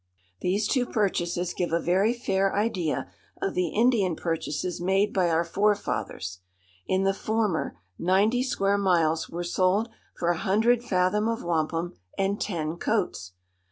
These two purchases give a very fair idea of the Indian purchases made by our forefathers. In the former, ninety square miles were sold for a hundred fathom of wampum and ten coats!